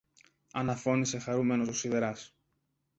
αναφώνησε χαρούμενος ο σιδεράς.